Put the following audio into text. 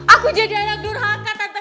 aku jadi anak durhaka tante